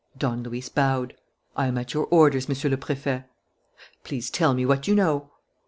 Don Luis bowed. "I am at your orders, Monsieur le Préfet." "Please tell us what you know."